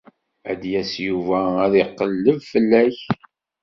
Ad d-yas Yuba ad iqelleb fell-ak.